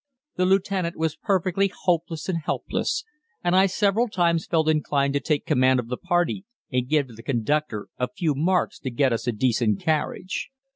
The lieutenant was perfectly hopeless and helpless, and I several times felt inclined to take command of the party and give the conductor a few marks to get us a decent carriage.